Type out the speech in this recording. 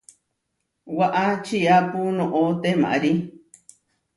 Waʼá čiápu noʼó temarí.